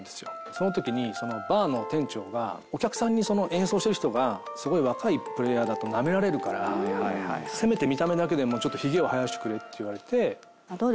その時にそのバーの店長がお客さんに演奏してる人がすごい若いプレーヤーだとなめられるからせめて見た目だけでもちょっとヒゲを生やしてくれって言われて。